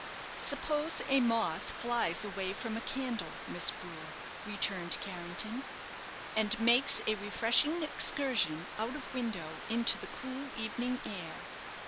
"Suppose a moth flies away from a candle, Miss Brewer," returned Carrington, "and makes a refreshing excursion out of window into the cool evening air!